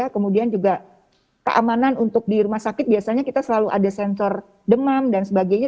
kemudian juga keamanan untuk di rumah sakit biasanya kita selalu ada sensor demam dan sebagainya